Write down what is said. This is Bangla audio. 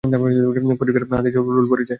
পরিখার ওপারে হাসির রোল পড়ে যায়।